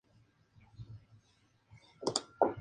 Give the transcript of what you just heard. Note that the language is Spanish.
Concretamente a la casa de Mary Alice.